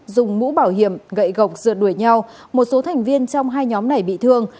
dùng mũ bảo hiểm gậy gọc rượt đuổi nhau một số thành viên trong hai nhóm này bị thương